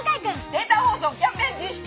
データ放送キャンペーン実施中！